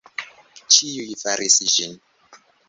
Ĉiuj faris ĝin.